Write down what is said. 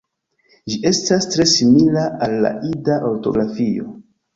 Ĝi estas tre simila al la Ida ortografio.